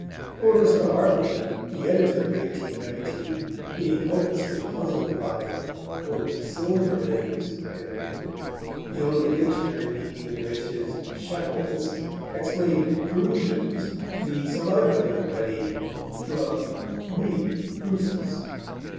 Poor Mr. Harvey, the editor of 1819, being hopelessly puzzled by "silverlings," the only dictionary meaning of which is "shekels," explained "crusions" to be some other kind of money, from [Greek: krousis].